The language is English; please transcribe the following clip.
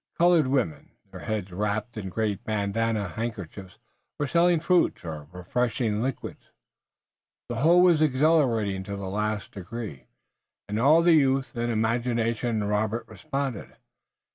Colored women, their heads wrapped in great bandanna handkerchiefs, were selling fruits or refreshing liquids. The whole was exhilarating to the last degree, and all the youth and imagination in Robert responded.